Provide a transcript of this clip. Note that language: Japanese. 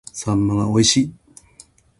秋刀魚が美味しい